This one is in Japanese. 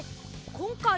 こんかい